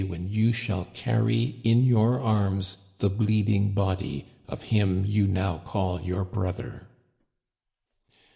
when you shall carry in your arms the bleeding body of him you now call your brother